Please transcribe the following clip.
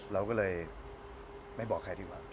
เราก็เลยไม่บอกใครดีกว่า